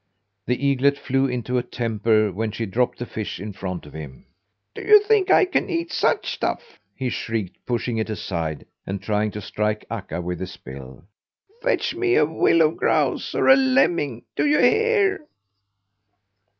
The eaglet flew into a temper when she dropped the fish in front of him. "Do you think I can eat such stuff?" he shrieked, pushing it aside, and trying to strike Akka with his bill. "Fetch me a willow grouse or a lemming, do you hear?"